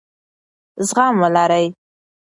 زغم ولرئ.